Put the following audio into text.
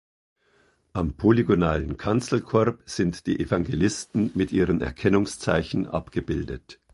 Am polygonalen Kanzelkorb sind die Evangelisten mit ihren Erkennungszeichen abgebildet.